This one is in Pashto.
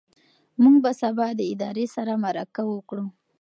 موږ به سبا د ادارې سره مرکه وکړو.